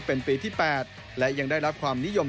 เป็นปีที่๘และยังได้รับความนิยม